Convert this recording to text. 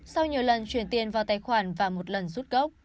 sau nhiều lần chuyển tiền vào tài khoản và một lần rút gốc